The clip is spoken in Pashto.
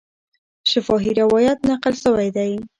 شفاهي روایت نقل سوی دی.